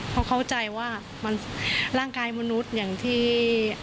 เพราะเข้าใจว่ามันร่างกายมนุษย์อย่างที่